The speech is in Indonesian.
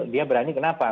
dia berani kenapa